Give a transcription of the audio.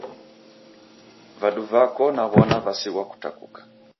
Vadu vako naw'ona vasighwa kutakuka